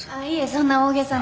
そんな大げさな。